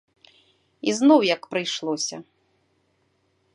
І зноў як прыйшлося.